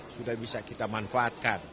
sudah bisa kita manfaatkan